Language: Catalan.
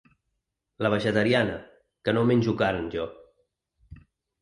La vegetariana, que no menjo carn jo.